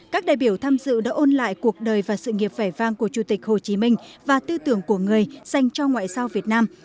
các đại biểu tham dự đã ôn lại cuộc đời và sự nghiệp vẻ vang của chủ tịch hồ chí minh và tư tưởng của người dành cho ngoại giao việt nam